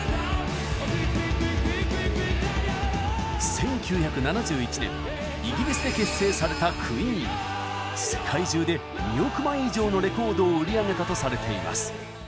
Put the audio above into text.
１９７１年イギリスで結成された世界中で２億枚以上のレコードを売り上げたとされています。